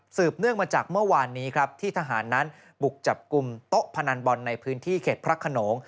เนื่องมาจากเมื่อวานนี้ครับที่ทหารนั้นบุกจับกลุ่มโต๊ะพนันบอลในพื้นที่เขตพระขนง